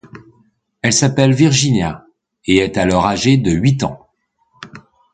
Elle s'appelle Virginia et est alors âgée de huit ans.